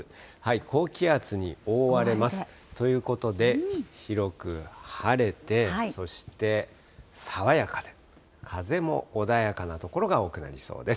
高気圧に覆われます。ということで、広く晴れて、そして爽やかで、風も穏やかな所が多くなりそうです。